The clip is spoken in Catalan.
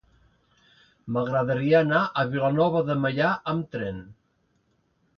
M'agradaria anar a Vilanova de Meià amb tren.